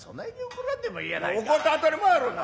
怒って当たり前やろが。